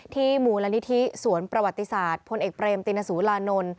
ที่หมู่และนิทธิสวนประวัติศาสตร์พลเอกเปรมติณสุลานนล